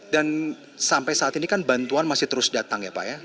dan sampai saat ini kan bantuan masih terus datang ya pak ya